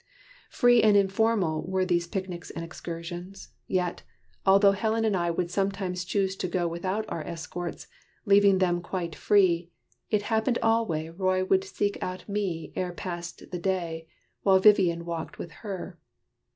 Free and informal were These picnics and excursions. Yet, although Helen and I would sometimes choose to go Without our escorts, leaving them quite free. It happened alway Roy would seek out me Ere passed the day, while Vivian walked with her.